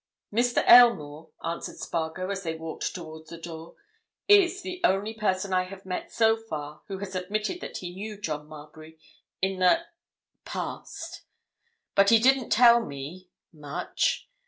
"Mr. Aylmore," answered Spargo as they walked towards the door, "is the only person I have met so far who has admitted that he knew John Marbury in the—past. But he didn't tell me—much.